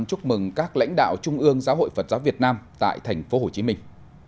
chúc mừng các lãnh đạo trung ương giáo hội phật giáo việt nam tại thành phố hồ chí minh